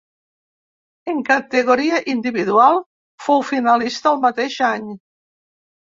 En categoria individual fou finalista el mateix any.